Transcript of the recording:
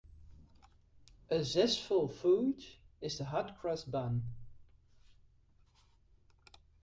A zestful food is the hot-cross bun.